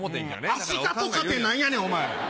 アシカとかって何やねんお前。